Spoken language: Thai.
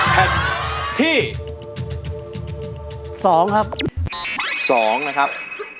แผ่นที่๒ครับ๒นะครับ